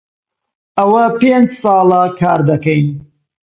ئەوە پێنج ساڵە کار دەکەین.